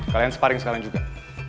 kalian separing sekarang juga